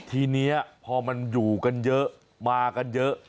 ทีนี้พอมันอยู่กันเยอะมากันเยอะ